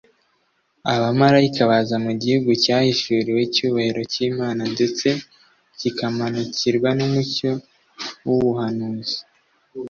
. Abamarayika baza mu gihugu cyahishuriwe icyubahiro cy’Imana, ndetse kikamurikirwa n’umucyo w’ubuhanuzi